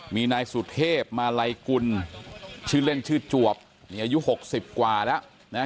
มีนายสุเทพมาลัยกุลชื่อเล่นชื่อจวบมีอายุ๖๐กว่าแล้วนะ